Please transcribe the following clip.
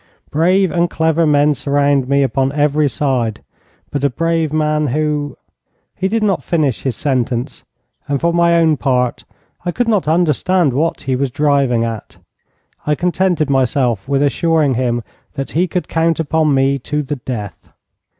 'Brave and clever men surround me upon every side. But a brave man who ' He did not finish his sentence, and for my own part I could not understand what he was driving at. I contented myself with assuring him that he could count upon me to the death.